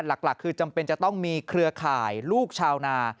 หลักคือจำเป็นจะต้องมีเครือข่ายลูกชาวนา